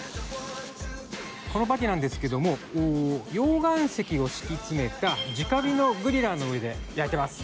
このパティなんですけども溶岩石を敷き詰めた直火のグリラーの上で焼いてます。